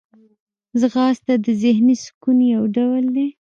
ځغاسته د ذهني سکون یو ډول دی